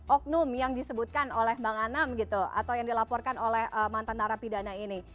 oknum yang disebutkan oleh bang anam gitu atau yang dilaporkan oleh mantan narapidana ini